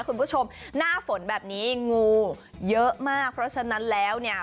คุณผู้ชมหน้าฝนแบบนี้งูเยอะมากเพราะฉะนั้นแล้วเนี่ย